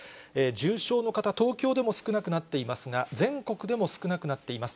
重症の方、東京でも少なくなっていますが、全国でも少なくなっています。